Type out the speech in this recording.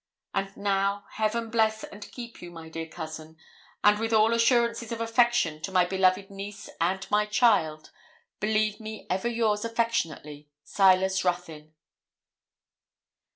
'And now, Heaven bless and keep you, my dear cousin; and with all assurances of affection to my beloved niece and my child, believe me ever yours affectionately. 'SILAS RUTHYN.'